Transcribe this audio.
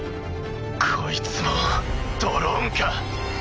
こいつもドローンか。